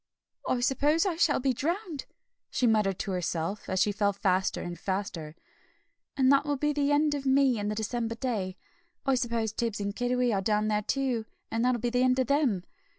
"I suppose I shall be drowned," she muttered to herself, as she fell faster and faster, "and that will be the end of me and the December day. I suppose Tibbs and Kiddiwee are down there too, and that'll be the end of them.